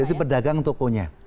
jadi pedagang tokonya